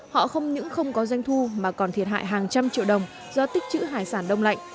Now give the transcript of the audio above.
họ không những không có doanh thu mà còn thiệt hại hàng trăm triệu đồng do tích chữ hải sản đông lạnh